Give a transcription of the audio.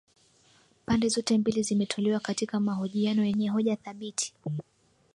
pande zote mbili zimetolewa katika mahojiano yenye hoja thabiti